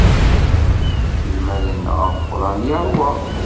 Lmal-nneɣ ameqqran iṛwa.